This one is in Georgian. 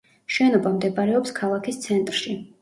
შენობა მდებარეობს ქალაქის ცენტრში.